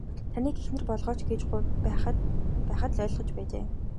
Таныг эхнэрээ болооч гэж байхад л ойлгох байжээ.